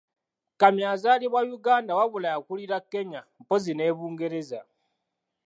Kamya yazaalibwa Uganda wabula yakulira Kenya mpozi ne Bungereza